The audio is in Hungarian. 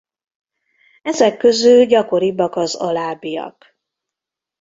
Ezek közül gyakoribbak az alábbiak.